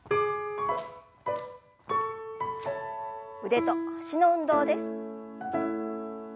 腕と脚の運動です。